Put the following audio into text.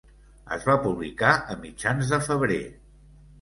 Es va publicar a mitjans de febrer.